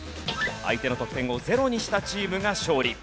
相手の得点を０にしたチームが勝利。